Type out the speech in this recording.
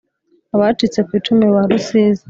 Abacitse ku icumu ba Rusizi